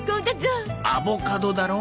アボカドだろ。